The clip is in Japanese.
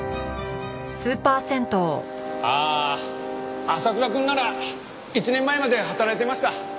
ああ浅倉くんなら１年前まで働いていました。